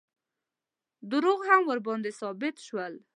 دروغ هم ورباندې ثابت شول.